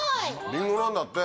リンゴなんだって。